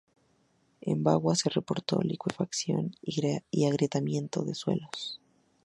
En Bagua se reportó licuefacción y agrietamiento de suelos.